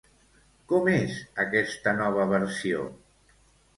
Com és aquesta nova versió?